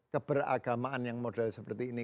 keberagamaan yang model seperti ini